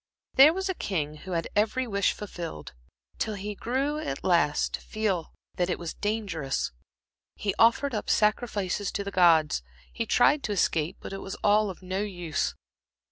there was a king who had every wish fulfilled, till he grew at last to feel that it was dangerous; he offered up sacrifices to the gods, he tried to escape but it was all of no use.